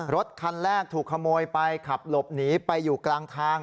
รถคันแรกถูกขโมยไปขับหลบหนีไปอยู่กลางทาง